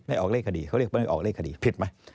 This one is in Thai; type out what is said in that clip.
ไม่ออกเลขคดี